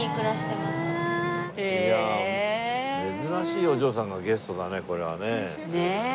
いや珍しいお嬢さんがゲストだねこれはね。ねえ。